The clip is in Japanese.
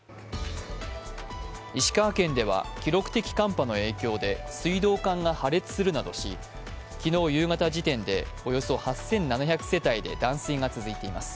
石川県では記録的な寒波の影響で水道管が破裂するなどし、昨日夕方時点でおよそ８７００世帯で断水が続いています。